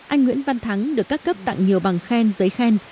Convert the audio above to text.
anh nguyễn văn thắng được các cấp tặng nhiều bằng khen giấy khen